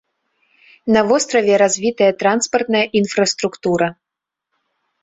На востраве развітая транспартная інфраструктура.